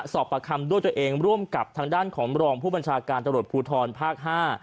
ประคัมด้วยตัวเองร่วมกับทางด้านของรองผู้บัญชาการตำรวจภูทรภาค๕